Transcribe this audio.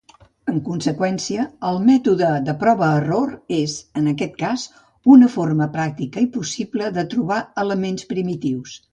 En conseqüència, el mètode de prova i error és, en aquest cas, una forma pràctica i possible de trobar elements primitius.